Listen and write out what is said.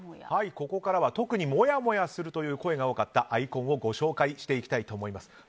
ここからは特にもやもやするという声が多かったアイコンをご紹介していきたいと思います。